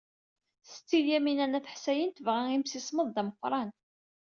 Setti Lyamina n At Ḥsayen tebɣa imsismeḍ d ameqran.